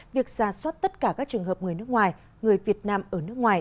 việc ra soát tất cả các trường hợp người nước ngoài người việt nam ở nước ngoài